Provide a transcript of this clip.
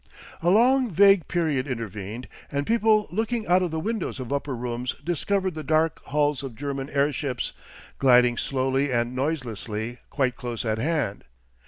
A long, vague period intervened, and people looking out of the windows of upper rooms discovered the dark hulls of German airships, gliding slowly and noiselessly, quite close at hand.